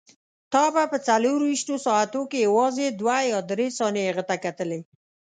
ته به په څلورویشتو ساعتو کې یوازې دوه یا درې ثانیې هغه ته کتلې.